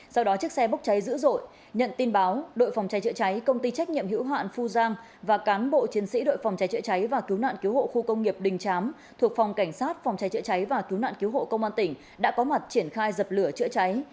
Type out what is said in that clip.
sau đó chiếc xe bốc cháy dữ dội nhận tin báo đội phòng cháy chữa cháy công ty trách nhiệm hữu hạn phu giang và cán bộ chiến sĩ đội phòng cháy chữa cháy và cứu nạn cứu hộ khu công nghiệp đình chám thuộc phòng cảnh sát phòng cháy chữa cháy và cứu nạn cứu hộ công an tỉnh đã có mặt triển khai dập lửa chữa cháy